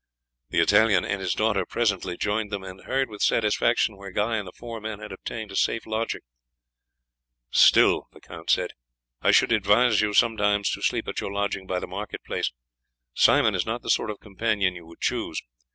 The Italian and his daughter presently joined them, and heard with satisfaction where Guy and the four men had obtained a safe lodging. "Still," he said, "I should advise you sometimes to sleep at your lodging by the market place. Simon is not the sort of companion you would choose.